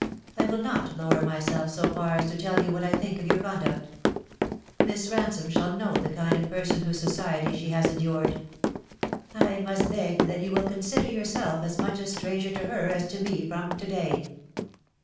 " I will not lower myself so far as to tell you what I think of your conduct. Miss Ransome shall know the kind of person whose society she has endured. I must beg that you will consider yourself as much a stranger to her as to me from to day."